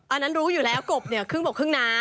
อันนั้นรู้อยู่แล้วกบเนี่ยครึ่งบกครึ่งน้ำ